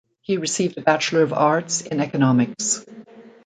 He received a Bachelor of Arts in Economics.